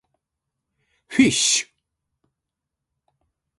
fish